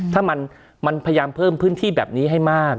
ถ้ามันพยายามเพิ่มพื้นที่แบบนี้ให้มาก